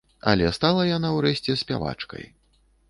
Але стала яна ўрэшце спявачкай.